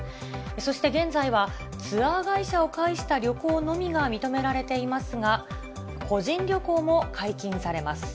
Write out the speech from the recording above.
そして現在は、ツアー会社を介した旅行のみが認められていますが、個人旅行も解禁されます。